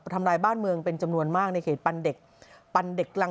ทำลายบ้านเมืองเป็นจำนวนมากในเขตปันเด็กรัง